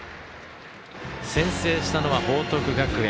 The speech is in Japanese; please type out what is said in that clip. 先制したのは報徳学園。